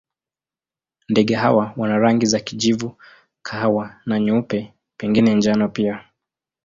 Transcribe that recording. Ndege hawa wana rangi za kijivu, kahawa na nyeupe, pengine njano pia.